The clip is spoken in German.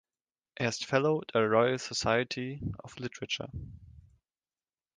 Er ist Fellow der Royal Society of Literature.